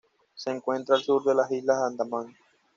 Se encuentra al sur de las Islas Andamán.